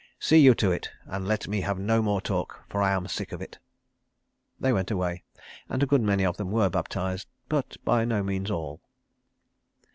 See you to it, and let me have no more talk, for I am sick of it." They went away, and a good many of them were baptized, but by no means all.